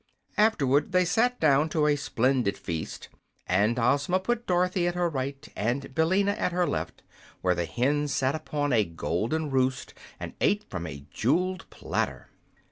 Afterward they sat down to a splendid feast, and Ozma put Dorothy at her right and Billina at her left, where the hen sat upon a golden roost and ate from a jeweled platter.